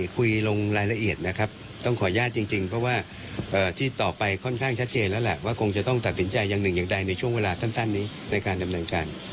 คุยลงรายละเอียดนะครับต้องขออนุญาตจริงเพราะว่าที่ต่อไปค่อนข้างชัดเจนแล้วแหละว่าคงจะต้องตัดสินใจอย่างหนึ่งอย่างใดในช่วงเวลาสั้นนี้ในการดำเนินการ